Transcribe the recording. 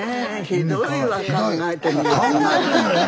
ひどいわ考えてみたら。